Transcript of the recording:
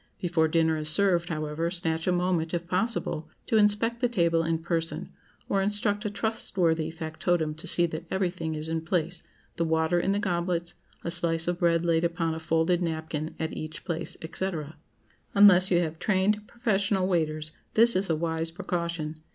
Before dinner is served, however, snatch a moment, if possible, to inspect the table in person, or instruct a trustworthy factotum to see that everything is in place, the water in the goblets, a slice of bread laid upon a folded napkin at each plate, &c. Unless you have trained, professional waiters, this is a wise precaution.